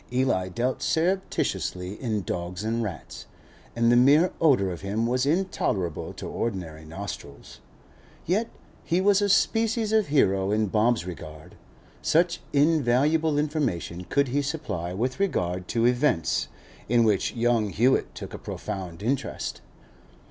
Eli dealt surreptitiously in dogs and rats, and the mere odour of him was intolerable to ordinary nostrils; yet he was a species of hero in Bob's regard, such invaluable information could he supply with regard to 'events' in which young Hewett took a profound interest.